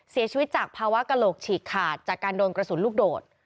เสียชีวิตจากภาวะกระโหลกฉีกขาดจากการโดนกระสุนลูกโดด